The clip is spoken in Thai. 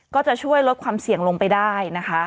ก็จะช่วยลดความเสี่ยงลงไปได้นะคะ